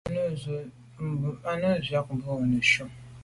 A num ntshùag num mbwe neshu.